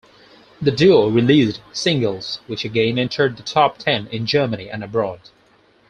The duo released singles which again entered the top ten in Germany and abroad.